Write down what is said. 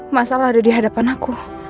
mas al ada di hadapan aku